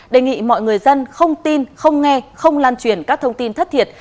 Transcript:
đề nghị mọi người dân không tin không nghe không lan truyền các thông tin thất thiệt